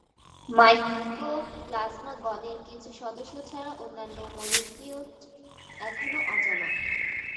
"Mycoplasma" গণের কিছু সদস্য ছাড়া অন্যান্য মলিকিউট এখনও অজানা।